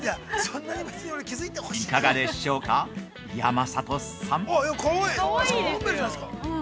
◆いかがでしょうか、山里さん。